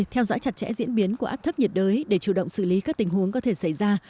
theo dõi chặt chẽ diễn biến của áp thấp nhiệt đới để chủ động xử lý các tình huống có thể xảy ra